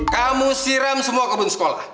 kamu siram semua kebun sekolah